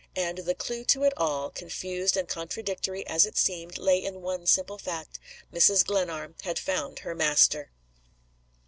And the clew to it all, confused and contradictory as it seemed, lay in one simple fact Mrs. Glenarm had found her master.